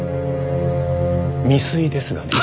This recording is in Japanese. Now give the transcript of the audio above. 未遂ですがね。